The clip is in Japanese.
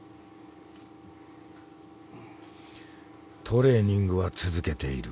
トレーニングは続けている。